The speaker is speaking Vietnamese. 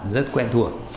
rất quen thuộc